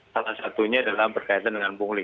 salah satunya adalah berkaitan dengan pungli